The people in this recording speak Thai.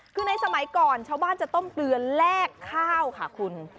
คือในสมัยก่อนชาวบ้านจะต้มเกลือแลกข้าวค่ะคุณ